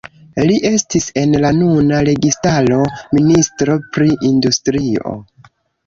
Li estis en la nuna registaro ministro pri industrio.